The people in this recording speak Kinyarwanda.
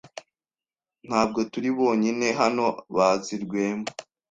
Ntabwo turi bonyine hano bazi Rwema.